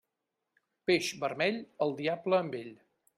Peix vermell, el diable amb ell.